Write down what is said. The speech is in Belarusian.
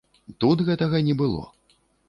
Тут гэтага не было.